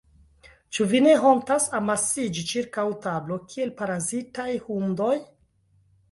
Ĉu vi ne hontas amasiĝi ĉirkaŭ tablo, kiel parazitaj hundoj?